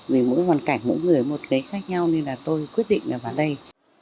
vì mỗi hoàn cảnh mỗi người một cái khác nhau nên là tôi quyết định vào đây